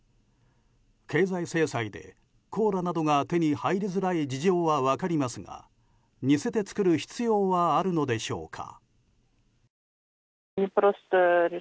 経済制裁でコーラなどが手に入りづらい事情は分かりますが似せて作る必要はあるのでしょうか。